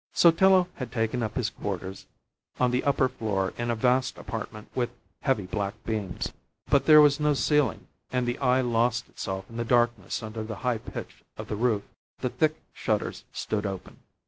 Sotillo had taken up his quarters on the upper floor in a vast apartment with heavy black beams. But there was no ceiling, and the eye lost itself in the darkness under the high pitch of the roof. The thick shutters stood open.